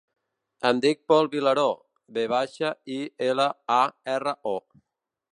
Em dic Pol Vilaro: ve baixa, i, ela, a, erra, o.